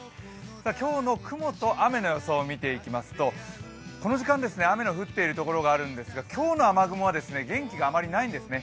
今日の雲と雨の予想を見ていきますと、この時間、雨の降っている所があるんですが今日の雨雲は元気があまりないんですね。